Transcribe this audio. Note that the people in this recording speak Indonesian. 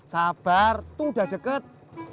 sabar tuh udah deket